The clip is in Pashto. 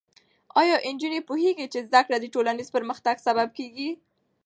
ایا نجونې پوهېږي چې زده کړه د ټولنیز پرمختګ سبب کېږي؟